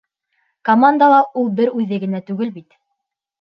— Командала ул бер үҙе генә түгел бит.